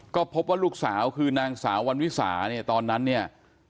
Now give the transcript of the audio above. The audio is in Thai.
ก็พบว่าลูกสาวคือนางสาววันวิสาเนี่ยตอนนั้นเนี่ย